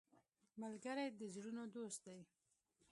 ملګری د زړونو دوست دی